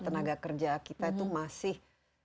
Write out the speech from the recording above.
tenaga kerja kita itu masih